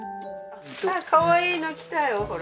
かわいいのきたよほら。